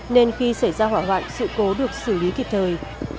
nên khi xảy ra hỏa hoạn sự cố được xử lý kịp thời